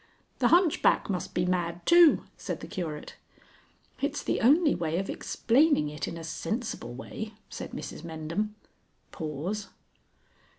"The hunchback must be mad too," said the Curate. "It's the only way of explaining it in a sensible way," said Mrs Mendham. [_Pause.